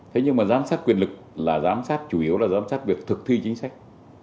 thế nhưng mà giám sát quyền lực là giám sát chủ yếu là giám sát việc thực thi chính sách